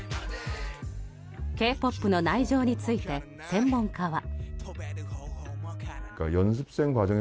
Ｋ‐ＰＯＰの内情について専門家は。